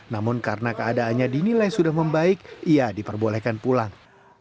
namun karena keadaannya dinilai sudah membaik ia diperbolehkan pulang